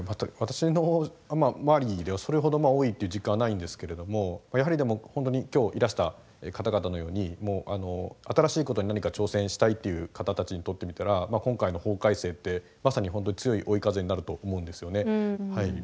私の周りではそれほど多いっていう実感はないんですけれどもやはりでも本当に今日いらした方々のように新しいことに何か挑戦したいという方たちにとってみたら今回の法改正ってまさに本当に強い追い風になると思うんですよね。